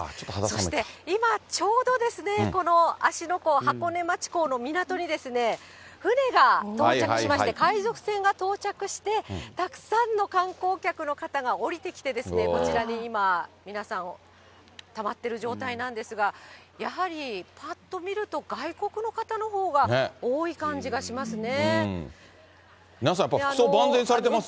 そして今ちょうどですね、この芦ノ湖、箱根町号の港に、船が到着しまして、海賊船が到着して、たくさんの観光客の方が降りてきて、こちらに今、皆さん、たまっている状態なんですが、やはりぱっと見ると、外国の方のほうが多い感じがしますね。